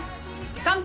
乾杯！